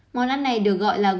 món ăn này được gọi là gulai pakit